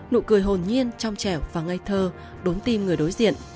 nụ cười hồn nhiên trong chẻo và ngây thơ đốn tim người đối diện